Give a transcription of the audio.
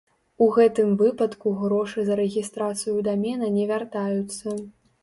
У гэтым выпадку грошы за рэгістрацыю дамена не вяртаюцца.